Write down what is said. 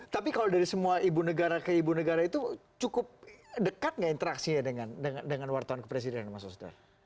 tapi kalau dari semua ibu negara ke ibu negara itu cukup dekat nggak interaksinya dengan wartawan kepresidenan mas osdar